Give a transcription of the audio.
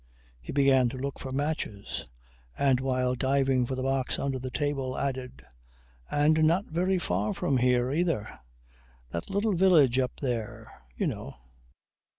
He began to look for matches, and while diving for the box under the table added: "And not very far from here either. That little village up there you know."